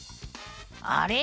あれ？